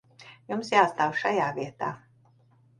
Jums jāstāv šajā vietā.